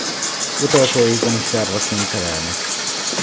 Utolsó évben is lárvaként telelnek.